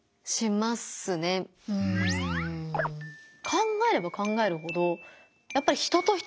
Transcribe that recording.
考えれば考えるほどやっぱり人と人じゃないですか。